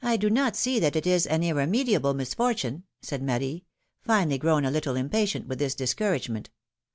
do not see that it is an irremediable misfortune," said Marie, finally grown a little impatient with this discouragement.